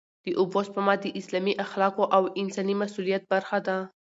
د اوبو سپما د اسلامي اخلاقو او انساني مسوولیت برخه ده.